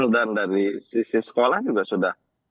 dan dari sisi sekolah juga sudah